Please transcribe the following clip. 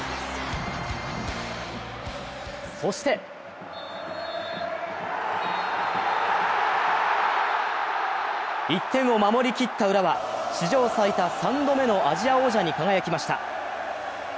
そして１点を守り切った浦和史上最多、３度目のアジア王者に輝きました。